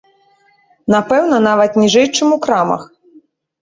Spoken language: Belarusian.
Напэўна, нават ніжэй, чым у крамах.